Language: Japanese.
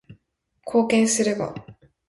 貢献するが